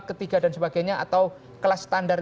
ketiga dan sebagainya atau kelas standar